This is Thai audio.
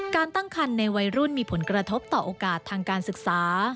ตั้งคันในวัยรุ่นมีผลกระทบต่อโอกาสทางการศึกษา